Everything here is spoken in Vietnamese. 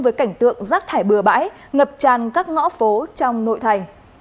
với cảnh tượng rác thải bừa bãi ngập tràn các ngõ phố trong nội thành